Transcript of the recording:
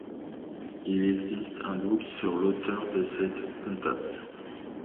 Il existe un doute sur l'auteur de cette cantate.